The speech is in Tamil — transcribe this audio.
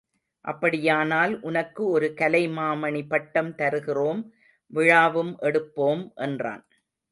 அப்படியானால் உனக்கு ஒரு கலைமாமணி பட்டம் தருகிறோம் விழாவும் எடுப்போம் என்றான்.